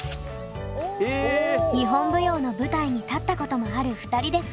日本舞踊の舞台に立ったこともある２人ですが。